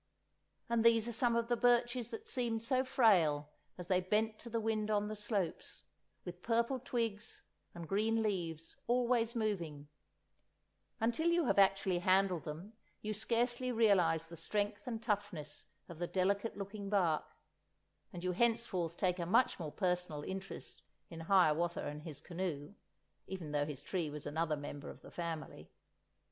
And these are some of the birches that seemed so frail as they bent to the wind on the slopes, with purple twigs and green leaves always moving; until you have actually handled them you scarcely realize the strength and toughness of the delicate looking bark, and you henceforth take a much more personal interest in Hiawatha and his canoe, even though his tree was another member of the family.